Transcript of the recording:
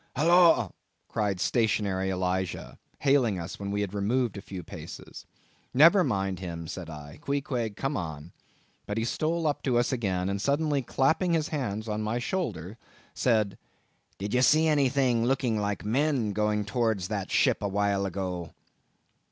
"Holloa!" cried stationary Elijah, hailing us when we had removed a few paces. "Never mind him," said I, "Queequeg, come on." But he stole up to us again, and suddenly clapping his hand on my shoulder, said—"Did ye see anything looking like men going towards that ship a while ago?"